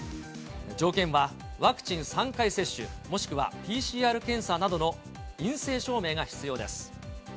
条件は、ワクチン３回接種、もしくはＰＣＲ検査などの陰性証明が必要です。